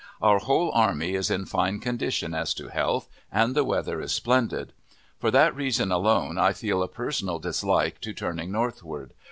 Our whole army is in fine condition as to health, and the weather is splendid. For that reason alone I feel a personal dislike to turning northward.